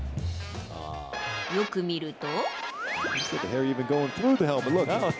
よく見ると。